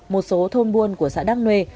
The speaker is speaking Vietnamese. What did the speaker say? một số thôn buôn của xã đắc nuê